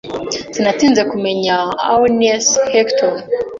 Sinatinze kumenya Aeneas Hectorn